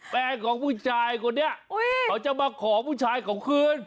แฟนของผู้ชายคนนี้เขาจะมาขอผู้ชายเขาคืน